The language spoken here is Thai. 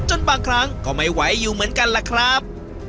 บางครั้งก็ไม่ไหวอยู่เหมือนกันล่ะครับ